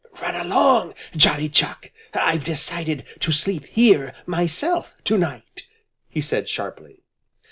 "Run along, Johnny Chuck! I've decided to sleep here myself to night!" he said sharply.